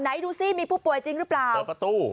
ไหนดูสิมีผู้ป่วยจริงหรือเปล่าเปิดประตู